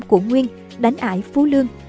của nguyên đánh ải phú lương